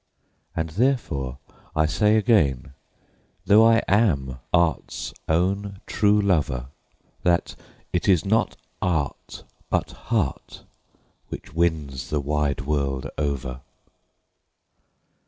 And therefore I say again, though I am art's own true lover, That it is not art, but heart, which wins the wide world over.